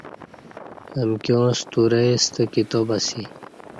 امکیاں ستورئی ستہ کتاب اسی